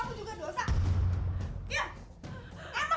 terima kasih pak